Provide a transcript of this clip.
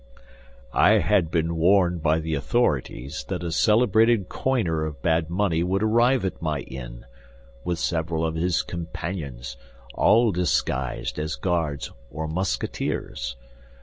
"I had been warned by the authorities that a celebrated coiner of bad money would arrive at my inn, with several of his companions, all disguised as Guards or Musketeers.